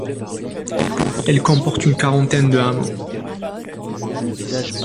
Elle comporte une quarantaine de hameaux.